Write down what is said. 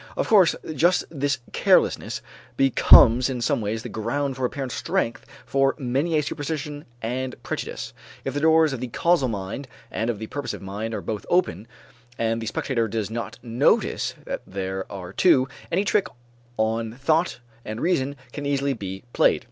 Of course just this carelessness becomes in some ways the ground for apparent strength for many a superstition and prejudice. If the doors of the causal mind and of the purposive mind are both open, and the spectator does not notice that there are two, any trick on thought and reason can easily be played.